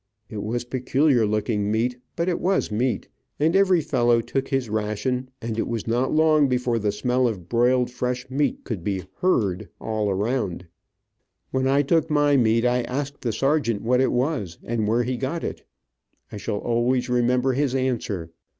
It was peculiar looking meat, but it was meat, and every fellow took his ration, and it was not long before the smell of broiled fresh meat could be "heard" all around. When I took my meat I asked the sergeant what it was, and where he got it. I shall always remember his answer.